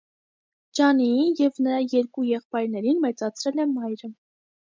Ջաննիին և նրա երկու եղբայրներին մեծացրել է մայրը։